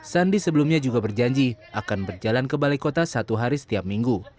sandi sebelumnya juga berjanji akan berjalan ke balai kota satu hari setiap minggu